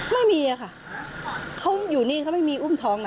ไม่มีค่ะเขาอยู่นี่เขาไม่มีอุ้มท้องนะ